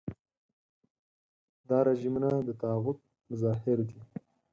دا رژیمونه د طاغوت مظاهر دي.